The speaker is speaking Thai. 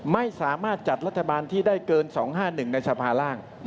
ไม่สามารถจัดรัฐบาลที่ได้เกิน๒๕๑ในสภาร่าง